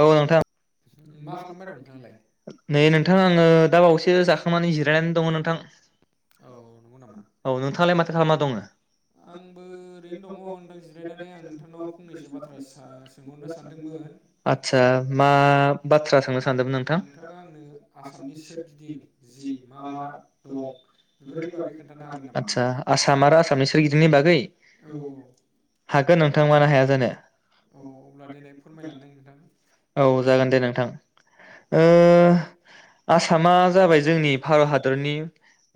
औ नोंथां नै नोंथां आङो दा बावैसो जाखांनानै जिरायनानै दङ नोंथां औ नोंथाङालाय माथो खालामना दङो? आदसा मा बाथ्रा सोंनो दोंमोन नोंथां आदसा आसाम आरो आसामनि सोरगिदिंनि बागै हागोन नोंथां मानो हाया जानो। औ जागोन दे नोंथां। ओ आसामा जाबाय जोंनि भारत हादरनि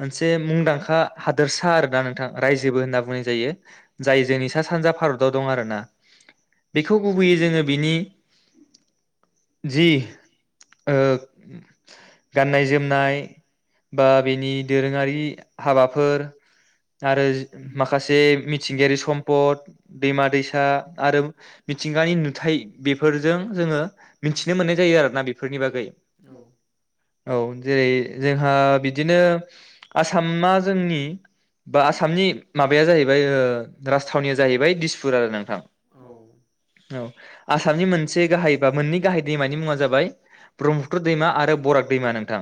मोनसे मुंदांखा हादोरसा आरोना नोंथां रायजोबो होनना बुंनाय जायो जाय जोंनि सा सानजा भारताव दं आरो ना बेखौ गुबैयै जोङो बिनि जि ओ गाननाय जोमनाय बा बेनि दोरोङारि हाबाफोर आरो माखासे मिथिंगायारि सम्पद दैमा दैसा आरो मिथिंगानि नुथाय बेफोरजों जोङो मिथिनो मोननाय जायो आरो ना बेफोरनि बागै। औ जेरै जोंहा बिदिनो आसामा जोंनि बा आसामनि माबाया जाहैबाय ओ राजथावनिया जाहैबाय दिसपुर आरो नोंथां औ औ। आसामनि मोनसे गाहाय बा मोननै गाहाय दैमानि मुङा जाबाय ब्रह्मपतुर दैमा आरो बराग दैमा नोंथां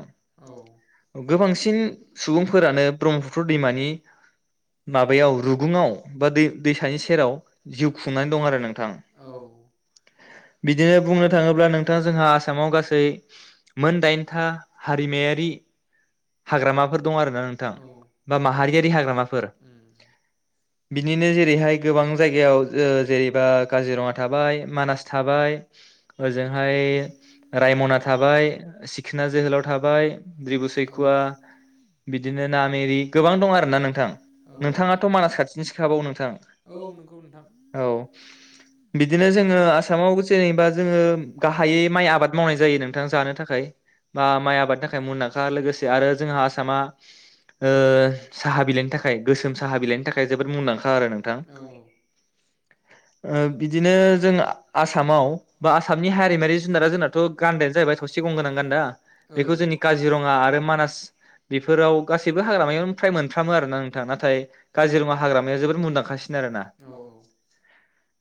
गोबांसिन सुबुंफोरानो ब्रह्मपुत्र दैमानि माबायाव रुगुङाव बा दै दैसानि सेराव जिउ खुंनानै दं आरो नोंथां। बिदिनो बुंनो थाङोब्ला नोंथाङा जोंहा आसामाव गासै मोन दाइनथा हारिमायारि हाग्रामाफोर दं आर ना नोंथां बा माहारियारि हाग्रामाफोर। बिनिनो जेरैहाय गोबां जायगायाव ओ जेरैबा काजिरङा थाबाय। मानास थाबाय ओजोंहाय रायमना थाबाय सिखना जोहोलाव थाबाय द्रिबु सैखुवा। बिदिनो नाामेरि गोबां दं आरो ना नोंथां नोंथाङाथ मानास खाथिनिसोखाबाव नोंथां औ। बिदि जोङो आसामाव जेनेबा जोङो गाहायै माइ आबाद मावनाय जायो नोंथां जानो थाखाय बा माइ आबादनि थाखाय मुंदांखा लोगोसे आरो जोंहा आसामा ओ साहा बिलाइनि थाखाय गोसोम साहा बिलाइनि थाखाय जोबोद मुंदांखा आरो नोंथां। ओ बिदिनो जों। आसामाव बा आसामनि हारिमारि जुनारा जोंनाथ गान्दायानो जाहैबाय थसे गंगोनां गान्दा बेखौ जोंनि काजिरङा आरो मानास बेफोराव गासैबो हाग्रामायाव फ्राय मोनफ्रामो आरोना नोंथां नाथाय काजिरङा हाग्रामाया जोबोद मुंदांखाासिनो आरोना।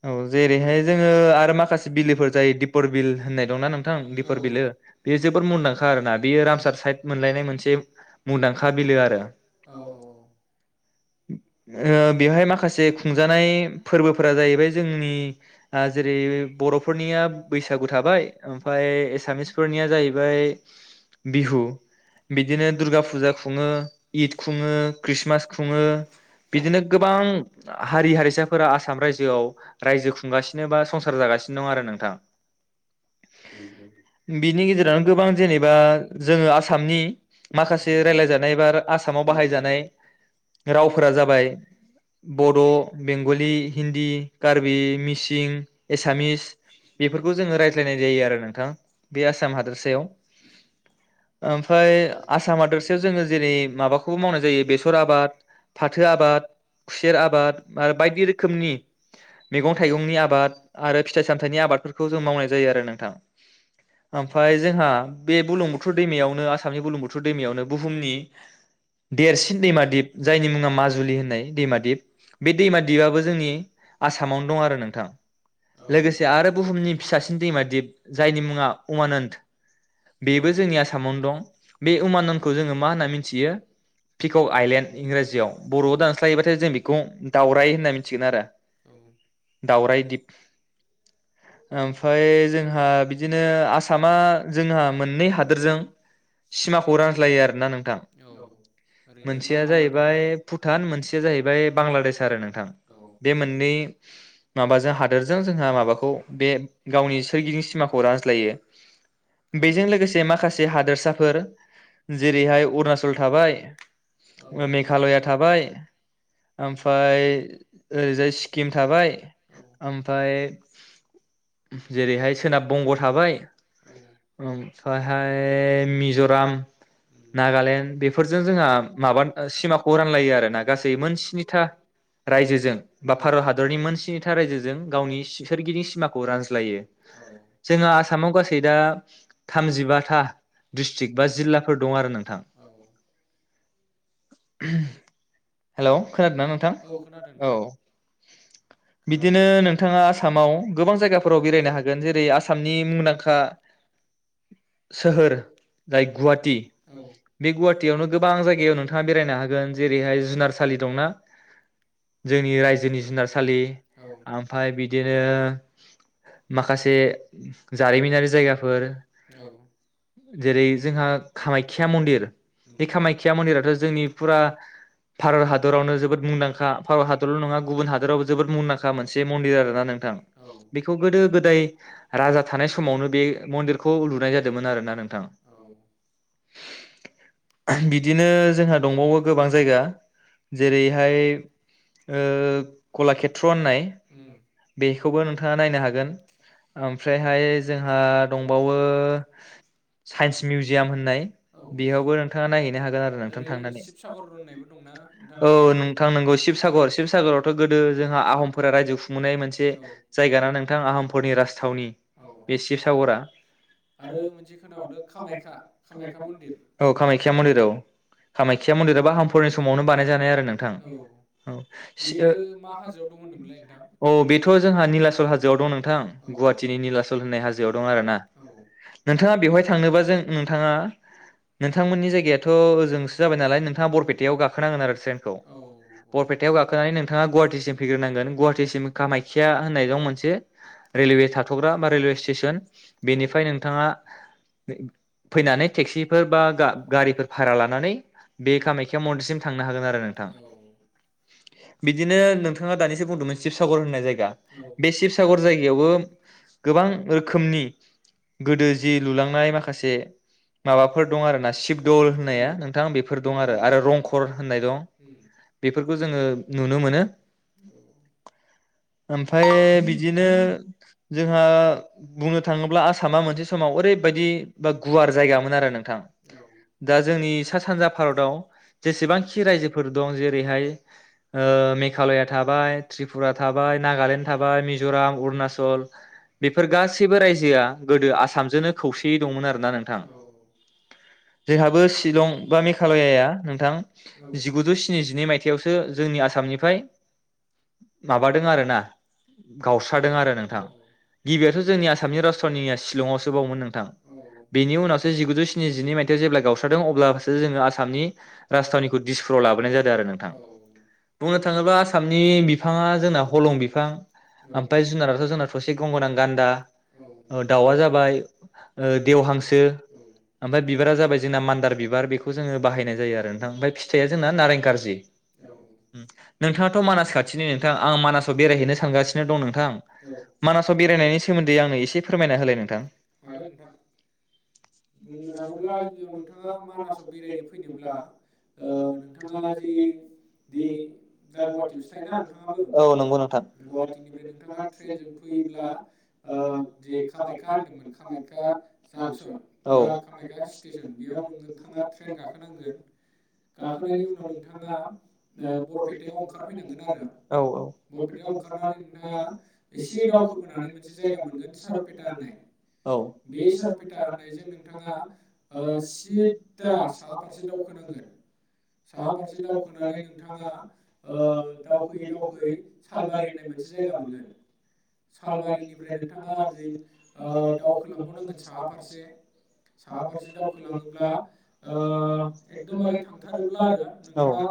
औ जेरैहाय ङो आरो माखासे बिलोफोर जायो दिपर बिल होननाय दंना नोंथां दिपर बिलो बेयो जोबोद मुंदांखा आरोना बेयो रामसार साइद मोनलायनाय मोनसे मुंदांखा बिलो आरो। ओ बेवहाय माखासे खुंजानाय फोरबोफोरा जाहैबाय जोंनि जेरै बरफोरनिया बैसागु थाबाय ओमफफ्राय एसामिसफोरनिया जाहैबाय बिहु बिदिनो दुर्गा फुजा खुङो इद खुङो ख्रिषटमास खुङो। बिदिनो गोबां हारि हारिसाफोरा आसाम रायजोआव रायजो खुंगासिनो। जनोबा संसार जागासिनो दं आरो नोंथां। बिनि गेजेरावनो गोबां जेनेबा जोङो आसामनि माखासे रायलायजानाय एबा आसामाव बाहायजानाय रावफोरा जाबाय बड बेंगलि हिन्दी कार्बि मिसिं। सिं एसामिस बेफोरखौ जोङो रायज्लायनाय जायो आरो नोंथां बे आसाम हादरसायाव ओमफ्राय आसाम हादरसायाव जोङो जेरै माबाखौबो मावनाय जायों सेंसर आबाद फाथो आबाद खुसेर आबाद आरो बायदि रोखोमनि मैगं थाइगंनि आबाद। आरो फिथाइ सामथायाइनि आबादफोरखौ जों मावनाय जायो आरो नोंथां ओमफ्राय जोंहा बे बुलुं बुथुर दैमायावनो आसामनि बुलुं बुथुर दैमायावनो बुहुमनि देरसिन दैमा दिप जायनि मुङा माजुलि होननाय दैमा दिप बे दैमा दिपआबो जोंनि आसामावनो दं आरो नोंथां। लोगोसे आरो बुहुमनि फिसासिन दैमा दिेप जायनि मुङा उमानन्द बेबो जोंनि आसामावनो दं बे उमानन्दखौ जोङो मा होनना मिथियो। पिकक आइलेण्ड इंराजियाव, बरआव दानस्लायोबाथाय जों बेखौ दावराय होनना मिथिगोन आरो दावराइ दिप। ओमफ्राय जोंहा बिदिनो आसामा जोंहा मोननै हादोरजों सिमाखौ रानज्लायो आरोना नोंथां मोनसेया जाहैबाय भुटान मोनसेया जाहैबाय बांलादेश आरो नोंथां बे मोननै माबाजों हाद जोंहा माबाखौ बे गावनि सोरगिदिं सिमाखौ रानज्लायो बेजों लोगोसे माखासे हादोरसाफोर जेरैहाय अरुणचल थाबाय, मेघालया थाबाय, ओमफाय ओरैजाय सिक्किम थाबाय ओमफाय जेरैहाय सोनाब बंग थाबाय ओमफायहाय मिजराम नागालेण्ड बेफोरजों जोंहा माबा सिमाखौ रानलायो आरोना गासै मोनस्नि था रायजोजों बा भारत हादरनि मोनस्निथा रायजोजों गावनि सोरगिदिं सिमाखौ रानज्ल जोंहा आसामाव गासै दा थामजिबाथा डिस्ट्रिक्ट बा जिल्लाफोर दं आरो नोंथां। ओहोम हेलौ खोनादों ना नोंथां औ बि बिदिनो नोंथाङा आसामाव गोबां जायगाफोराव बेरायनो हागोन जेरै आसामनि मुंदांखा सोहोर जाय गुवाटी बे गुवाटिआवनो गोबां जायगायाव नोंथाङा बेरायनो हागोन जेरैहाय जुनारसालि दंना जोंनि रायजोनि जुनारसालि आमफाय बिदिनो माखासे जारिमिनारि जायगाफोर जेरै जोंहा कामायख्या मन्दिर बे कामायख्या मन्दिराथ जोंनि फुरा भारत हादरावनो जोबोद मुंदांखा भारत हादरल नङा गुबुन हादरावबो जोबोद मुंदांखा। खा मोनसे मन्दिर आरो ना नोंथां बेखौ गोदो-गोदाय राजा थानाय समावनो बे मन्दिरखौ लुनाय जादोंमोन आरोना नोंथां। ओहो बिदिनो जोंहा दंबावो गोबां जायगा जेरैहाय ओ कलाकेत्र त्र होन्नाय बेखौबो नोंथाङा नायनो हागोन ओमफ्रायहाय जोंहा दंबावो साइन्स मिउजियाम होननाय बेयावबो नोंथां थाङा नायहैनो हागोन आरो नोंथां थांनानै औ नोंथां नोंगौ शिबसागर शिबसागरावथ गोदो जों आ-आहमफोरा रायजो खुंबोनाय मोनसे जायगा ना नोंथां आहमफोरनि राजथावनि बे शिबसागरा आरो कामायखा कामायखा मन्दिर औ कामायखा। कामाख्या मन्दिराव कामाख्या मन्दिरबो आहमफोरनि समावनो बानायजानाय आरो नोंथां औ सि ओ औ बेथ' जोंहा निलाचल हाजोआव दं नोंथां गुहाटिनि निलाचल होननाय हाजोआव द दं आरोना नोंथाङा बेवहाय थांनोबा जों नोंथाङा नोंथांमोननि जायगायाथ ओजोंसो जाबाय नालाय नोंथाङा बरपेटायाव गाखोनांगोन आरो ट्रेनखौ बरपेटायाव गाखोनानै नोंथाङा गुवाटिसिम फैग्रोनांगोन गुवाहाटिसिम कामायख्या होननाय दं मोनसे रेलवे थाथग्रा बा रेलवे स्टेसन। बेनिफ्राय नोंथाङा फै-फैनानै टेक्सिफोर बा गा-गारिफोर भारा लानानै बे कामायख्या मन्दिरसिम थांनो हागोन आरो नोंथां बिदिनो नोंथां थाङा दानिसो बुंदोंमोन शिबसागर होननाय जायगा बे शिसागर जायगायावबो गोबां रोखोमनि गोदो जि लुलांनाय माखासे माबाफोर दं आरो ना शिबदल होननाया नोंथां बेफोर दं आरो आरो रंखर होननाय दं बेफोरखौ जोङो नुनो मोनो। ओमफ्राय बिदिनो जोंहा बुंनो थाङोब्ला आसामा मोनसे समाव ओरैबायदि गुवार जायगामोन आरो नोंथां दा जोंनि सा सानजा भारताव जेसेबांखि रायजोफोर दं जेरैहाय ओ मेघालया थाबाय त्रिपुरा थाबाय नागालेण्ड थाबाय मिजराम अरुणाचल बेफोर गासैबो रायजोआ गोदो आसामजोंनो खौसेयै दंमोन आरोना थां जोंहाबो शिलं बा मेघालयाया नोंथां जिगुजौ स्निजिनै मायथाइयावसो जोंनि आसामनिफाय माबादों आरोना गावस्रादों आरो नोंथां गिबियावथ जोंनि आसामनि राजथावनिया शिलंआवसो बावमोन नोंथां बेनि उनावसो जिगुजौ स्निजिनै मायथाइयाव जेब्ला गावस्रादों अब्लासो जोङो आसामनि राजथावनिखौ डिसपुराव लाबोनाय जादों आरो नोंथां बुंनो थाङोब्ला आसाम नि बिफाङा जोंना हलं बिफां ओमफाय जुनाराथ जोंना थसे गंगोनां गान्दा दाउआ जाबाय देउहां ओमफ्राय बिबारा जाबाय जोंना मान्दार बिबार बेखौ जोङो बाहायनाय जायो आरो नोंथां ओमफ्राय फिथाइया जोंना नारें कार्जि नोंथाङा थ' मानास खाथिनि नोंथां आं मानासाव बेरायहैनो सानगासिनो दं नोंथां मानासाव बेरायनायनि सोमोन्दै आंनो एसे फोरमायना होलाय नोंथां। बुंनो थाङोब्ला गिबियाव नोंथाङा मानासाव बेरायनो फैनोब्ला नोंथाङा जि दि औ नंगौ नोंथां जांसन बा कामाख्या स्टेसन बेयाव नोंथाङा ट्रेन गाखोनांगोन गाखोनायनि उनाव नोंथाङा बरपेटा औ औ औ पेटा होननायजों नोंथाङा सिददा साहा फारसे दावखोनांगोन साहा फारसे दावखोनानै नोंथाङा [unintelligible] फारसे साहा फारसे दावखोलाङोब्ला एकदमबारे थांथारोब्ला आरो नोंथाङा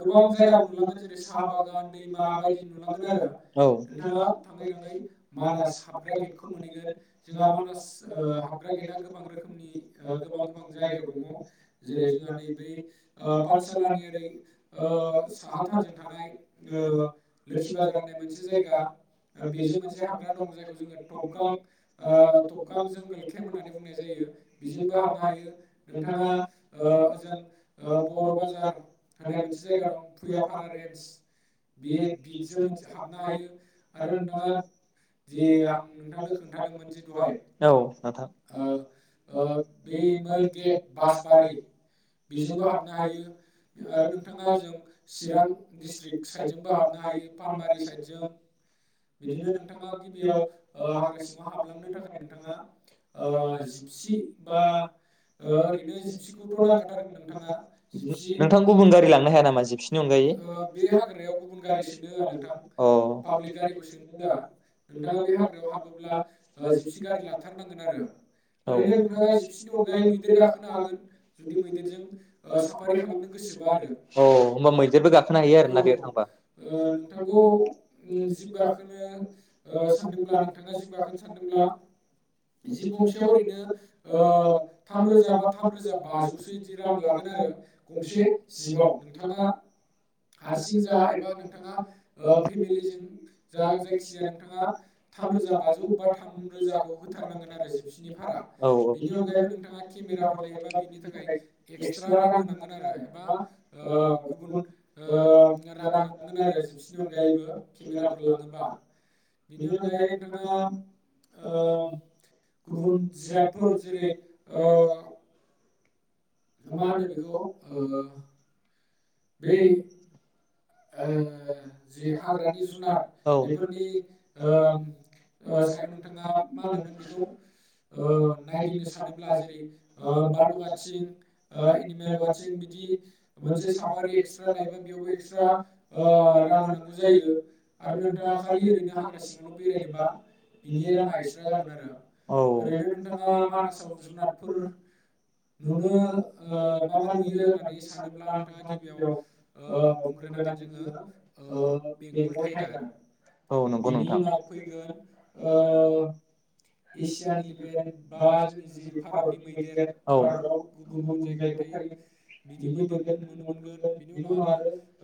गोबां जाय औ हाबग्रा गेटा गोबां रोखोमनि गोबां गोबां जायगायाव दङ जेरै जोंहा नै बै पाठसालानि ओरै ओ साहाथारजों थानाय लोखि बाजार होननाय मोनसे जायगा बेजों मोनसे हाबग्रा दं जायखौ जोङो टबगां ओ टब गांजों गेलखेम होननानै बुंनाय जायो बिजोंबो हाबनो हायो नोंथाङा ओजों बर' बाजार होननाय मोनसे जायगा दं [unintelligible] औ नोंथां चिरां दिस्ट्रिक साइदजोंबो हाबनो हायो फानबारि साइदजों बिदिनो नोंथाङा गिबियाव हाग्रा सिङाव हाबलांनो थाखाय नोंथां गुबुन गारि लांनो हाया नामा जिपसि नि अनगायै अ गारि लाथारनांगोन आरो ओरैनो नोंथाङा जिबसिनि अनगायै मैदेर गाखोनो हागोन जुदि मैदेरजों साफारि खालामनो गोसोबा आरो। होमबा मैदेरबो गाखोनो हायो आरोना बेयाव थांबा? जिब गंसेयाव ओरैनो ओ थामरोजा बा थामरोजा बाजौसो बिदि रां लागोन आरो गंसे जिबआव नोंथां। नोंङा हारसिं जा एबा नोंथाङा फेमिलिजों जा जायखि जाया नोंथाङा थाम रोजा बाजौ बा थाम रोजा होथारनांगोन आरो जिपसिनि भारा बिनि अनगायैबो नोंथाङा केमेराफोर लायोबा बिनि थाखाय एक्सट्रा रां होनांगोन आरो एबा गुबुन रां होनांगोन आरो जिबसिनि अनगायैबो केमेराफोर लाङोबा बिनि अनगायै नोंथाङा ओ गुबुन जिराबफोर जेरै ओ मा होनो बेखौ ओ बे औ। ओ रां होनांगौ जायो आरो नोंथाङा खालि ओरैनो हाग्रा सिङावल बेरायनोबा बिनि राङा एक्सट्रा जागोन आरो ओरैनो नोंथाङा मानासाव जुनादफोर नुनो मा मा नुयो होननानै सानोब्ला नोंथाङा गिबियाव ओ औ नंगौ नोंथां।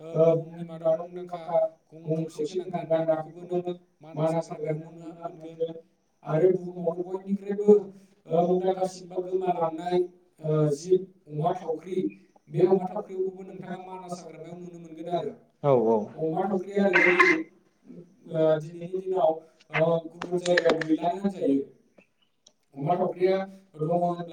ओ बुहुमनि मादाव मुंदांखा गं थसे गोनां गान्दा बेखौबो नों मानास हाग्रामायाव नुनो मोनगोन। आरो बुहुमावनो बयनिख्रुइबो मुंदांखासिन बा गोमालांनाय जिब अमा थावख्रि बे अमा थावख्रिखौबो नोंथाङा मानास हाग्रामायाव नुनो मोन मोनगोन‌ आरो अमा थावख्रिआ ओरैबायदि दिनैनि दिनाव गुबुन जायगायाव गैलानो होनजायो। अमा थावख्रिआ दङो होनब्ला